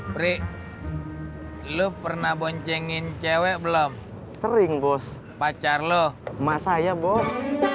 pri lo pernah boncengin cewek belum sering bos pacar loh emak saya bos